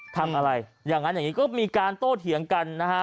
ทำอะไรอย่างนั้นอย่างนี้ก็มีการโต้เถียงกันนะฮะ